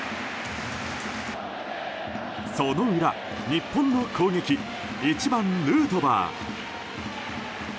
その裏、日本の攻撃１番、ヌートバー。